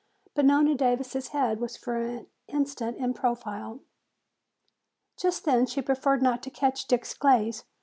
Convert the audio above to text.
But Nona Davis' head was for the instant in profile. Just then she preferred not to catch Dick's glance.